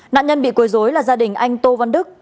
nạn nhân bị quấy dối là gia đình anh tô văn đức